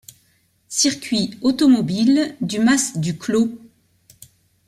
Circuit automobile du Mas du Clos.